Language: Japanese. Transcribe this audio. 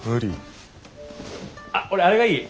あっ俺あれがいい。